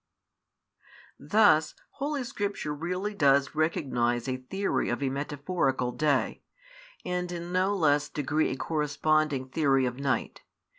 Thus Holy Scripture really does recognise a theory of a metaphorical day, and in no less degree a corresponding theory of night.